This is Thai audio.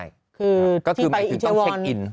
ก็คือหมายถึงต้องเช็คอิน